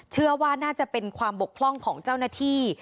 เชื่อว่าน่าจะเป็นความบกพร่องของเจ้าหน้าที่